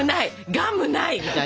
ガムない！みたいな。